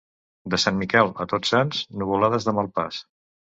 De Sant Miquel a Tots Sants, nuvolades de mal pas.